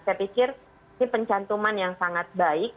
saya pikir ini pencantuman yang sangat baik